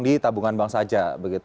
di tabungan bank saja